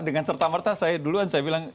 dengan serta merta saya duluan saya bilang